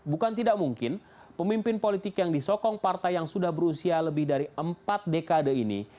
bukan tidak mungkin pemimpin politik yang disokong partai yang sudah berusia lebih dari empat dekade ini